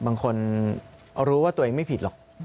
บางคนรู้ว่าตัวเองไม่ผิดหรอก